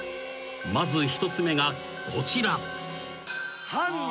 ［まず１つ目がこちら］